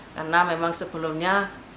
karena memang sebelumnya